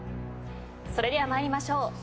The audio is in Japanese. それでは参りましょう。